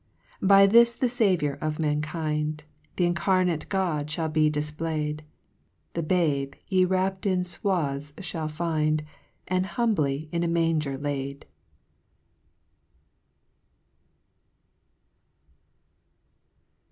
4 By this the Saviour of mankind, Th' incarnate God fhall be difpla^'d, The Babe, ye wrapp'd in fwathes fhall find, And humbly in a manger laid.